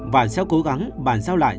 và sẽ cố gắng bàn giao lại